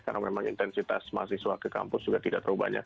karena memang intensitas mahasiswa ke kampus juga tidak terlalu banyak